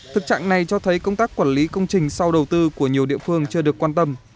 thực trạng này cho thấy công tác quản lý công trình sau đầu tư của nhiều địa phương chưa được quan tâm